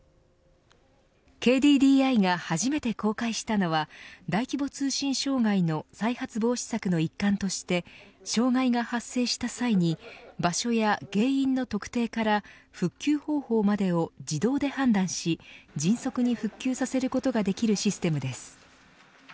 ＫＤＤＩが初めて公開したのは大規模通信障害の再発防止策の一環として障害が発生した際に場所や原因の特定から復旧方法までを自動で判断し迅速に復旧させることができるシステムです。